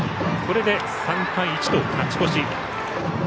これで３対１と勝ち越し。